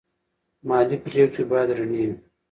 مالي پریکړې باید رڼې وي.